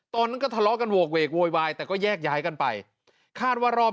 ตอนนั้นก็ทะเลาะกันโหกเวกโวยวายแต่ก็แยกย้ายกันไปคาดว่ารอบ